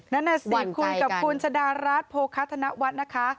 นั่นแน่สิคุณกับคุณชดารัฐโพคัทนวัดนะคะ